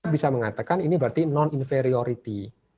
bisa mengatakan ini berarti non inferiority